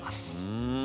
うん。